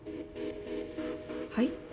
はい？